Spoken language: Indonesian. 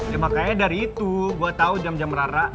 ya makanya dari itu gue tau jam jam rara